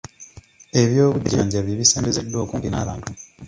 Ebyobujjanjabi bisembezeddwa okumpi n'abantu.